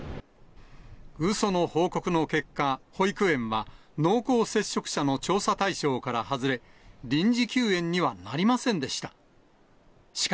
うその報告の結果、保育園は濃厚接触者の調査対象から外れ、臨時休園にはなりませんでした。